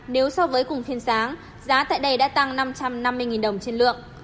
nếu so với cùng phiên sáng giá tại đây đã tăng năm trăm năm mươi đồng trên lượng